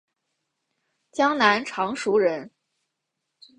江南常熟人。